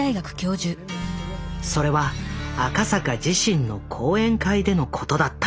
それは赤坂自身の講演会でのことだった。